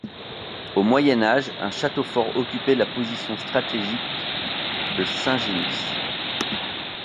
Au Moyen Âge, un château fort occupait la position stratégique de Saint-Genis.